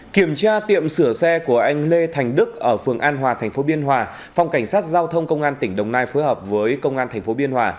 kiểm tra tiệm sửa xe của anh lê thành đức ở phường an hòa thành phố biên hòa phòng cảnh sát giao thông công an tỉnh đồng nai phối hợp với công an tp biên hòa